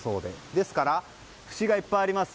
ですから、節がいっぱいあります。